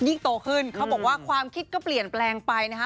ยิ่งโตขึ้นเขาบอกว่าความคิดก็เปลี่ยนแปลงไปนะฮะ